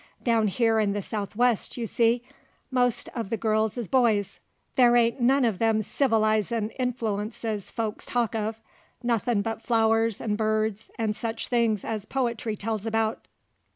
Down here in the Southwest, you see, most uv the girls is boys; there ain't none uv them civilizin' influences folks talk uv, nothin' but flowers 'nd birds 'nd such things as poetry tells about.